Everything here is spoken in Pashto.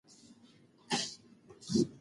خندا د ټولنیزو اړیکو لپاره اړینه ده.